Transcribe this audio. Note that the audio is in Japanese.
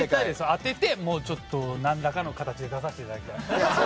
当てて、何らかの形で出させていただきたい。